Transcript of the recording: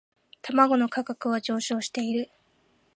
卵の価格は上昇している